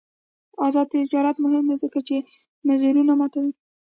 آزاد تجارت مهم دی ځکه چې مرزونه ماتوي.